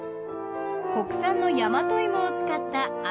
国産の大和芋を使った味